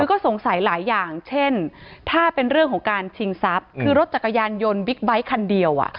ก็สงสัยหลายอย่างเช่นถ้าเป็นเรื่องของการชิงทรัพย์คือรถจักรยานยนต์บิ๊กไบท์คันเดียวอ่ะ